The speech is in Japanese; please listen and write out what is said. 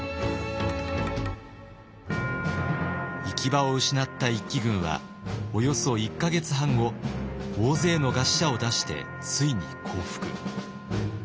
行き場を失った一揆軍はおよそ１か月半後大勢の餓死者を出してついに降伏。